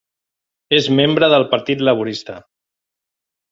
És membre del Partit Laborista.